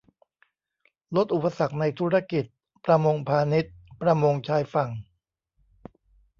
ลดอุปสรรคในธุรกิจ ประมงพาณิชย์ ประมงชายฝั่ง